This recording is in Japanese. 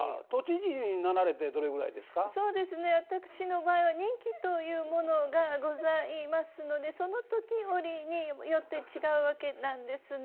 私の場合は任期というものがございますのでその時折によって違うわけなんですね。